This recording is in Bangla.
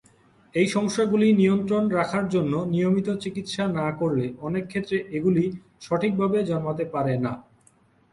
এই সমস্যাগুলি নিয়ন্ত্রণে রাখার জন্য নিয়মিত চিকিৎসা না করালে অনেক ক্ষেত্রে এগুলি সঠিকভাবে জন্মাতে পারে না।